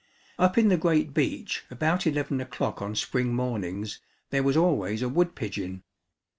Up in the great beech about eleven o'clock on spring mornings there was always a wood pigeon.